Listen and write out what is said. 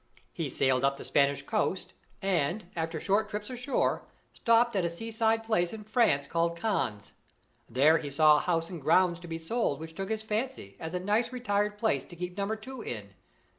He sailed up the Spanish coast, and, after short trips ashore, stopped at a seaside place in France called Cannes. There he saw a house and grounds to be sold which took his fancy as a nice retired place to keep Number Two in.